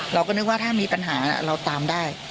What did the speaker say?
เราก็นึกว่าถ้ามีปัญหาเราตามได้